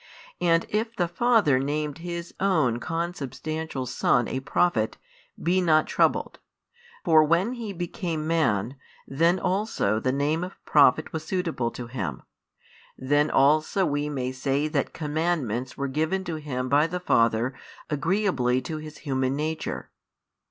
And if the Father named His own Consubstantial Son a Prophet, be not troubled; for when He became Man, then also the name of Prophet was suitable to Him, then also we may say that commandments were given to Him by the Father agreeably to His human nature.